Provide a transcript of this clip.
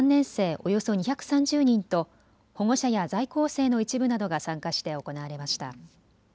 およそ２３０人と保護者や在校生の一部などが参加して行われました。